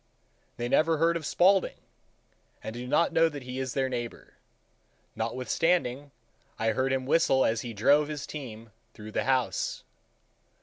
They never heard of Spaulding, and do not know that he is their neighbor,—notwithstanding I heard him whistle as he drove his team through the house.